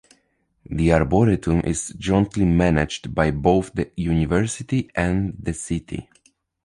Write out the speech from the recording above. The arboretum is jointly managed by both the university and the city.